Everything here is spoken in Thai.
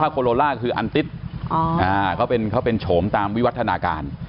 โคโลล่าคืออันติเขาเป็นโฉมตามวิวัฒนาการ